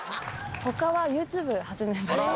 他はＹｏｕＴｕｂｅ始めました。